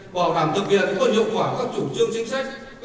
bảo đảm thực hiện có hiệu quả các chủ trương chính sách